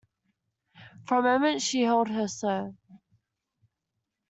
For a moment she held her so.